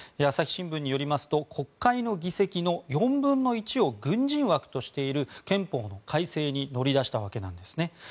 朝日新聞によりますと国会の議席の４分の１を軍人枠としている憲法の改正に乗り出したわけなんです。